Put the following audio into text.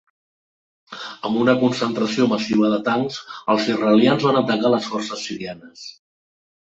Amb una concentració massiva de tancs, els israelians van atacar a les forces sirianes.